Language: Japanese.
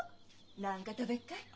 何か食べっかい？